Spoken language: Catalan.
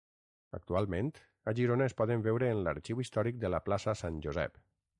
Actualment a Girona es poden veure en l'Arxiu Històric de la Plaça Sant Josep.